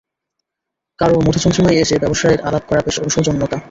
কারো মধুচন্দ্রিমায় এসে ব্যবসায়ের আলাপ করা বেশ অসৌজন্যতা!